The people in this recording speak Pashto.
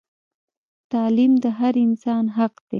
تعلیم د هر انسان حق دی